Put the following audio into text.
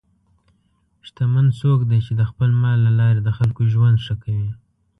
شتمن څوک دی چې د خپل مال له لارې د خلکو ژوند ښه کوي.